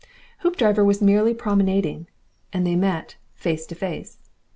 Hoopdriver was merely promenading, and they met face to face.